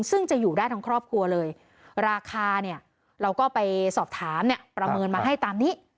ซึ่งจะอยู่ได้ทั้งครอบครัวเลยราคาเนี่ยเราก็ไปสอบถามเนี่ยประเมินมาให้ตามนี้